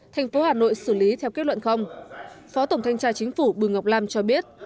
thành phố hà nội xử lý theo kết luận không phó tổng thanh tra chính phủ bùi ngọc lam cho biết